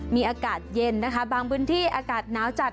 มีอากาศเย็นนะคะบางพื้นที่อากาศหนาวจัด